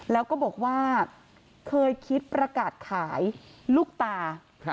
แล้วก็บอกว่าเคยคิดประกาศขายลูกตา